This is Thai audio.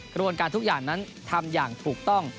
กระบวนการทุกอย่างนั้นทำอย่างถูกต้อง